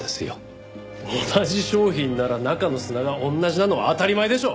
同じ商品なら中の砂が同じなのは当たり前でしょ！